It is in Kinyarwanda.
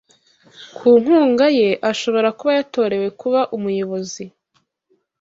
Ku nkunga ye, ashobora kuba yatorewe kuba umuyobozi .